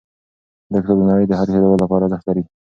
دا کتاب د نړۍ د هر هېواد لپاره ارزښت لري.